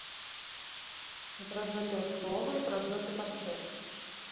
І праз гэтыя словы, і праз гэты партрэт.